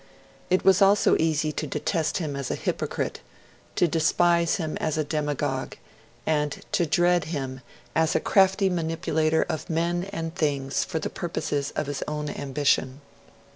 It was also easy to detest him as a hypocrite, to despise him as a demagogue, and to dread him as a crafty manipulator of men and things for the purposes of his own ambition.